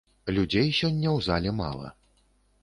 Людзей сёння ў зале мала.